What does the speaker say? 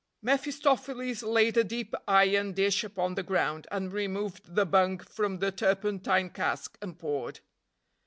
mephistopheles laid a deep iron dish upon the ground, and removed the bung from the turpentine cask, and poured.